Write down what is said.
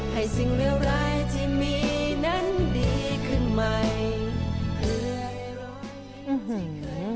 ให้สิ่งเหลือร้ายที่มีนั้นดีขึ้นใหม่